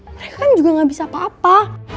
mereka kan juga gak bisa apa apa